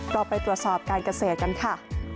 เราไปตรวจสอบการเกษตรกันค่ะ